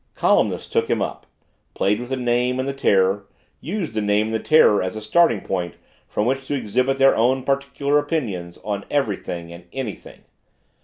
Columnists took him up, played with the name and the terror, used the name and the terror as a starting point from which to exhibit their own particular opinions on everything and anything.